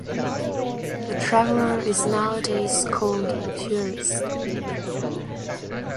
A traveller is nowadays called a tourist.